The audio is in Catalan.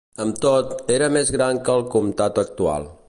Amb tot, era més gran que el comtat actual.